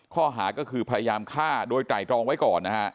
ข้อหาก็คือพยายามฆ่าโดยไตรตรองไว้ก่อนนะฮะ